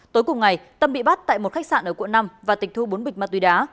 tâm bị bắt tại một khách sạn ở quận năm và tịch thu bốn bịch ma túy đá